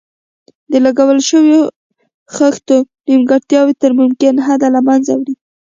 د لګول شویو خښتو نیمګړتیاوې تر ممکن حده له منځه وړي.